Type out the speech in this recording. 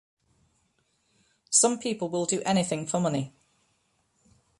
Some people will do anything for money.